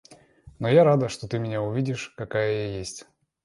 Но я рада, что ты меня увидишь какая я есть.